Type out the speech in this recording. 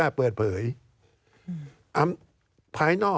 การเลือกตั้งครั้งนี้แน่